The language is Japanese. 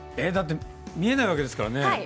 見えないわけですからね。